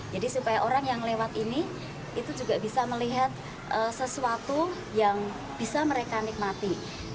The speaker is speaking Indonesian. jadi supaya orang yang lewat ini itu juga bisa melihat sesuatu yang bisa mereka nikmati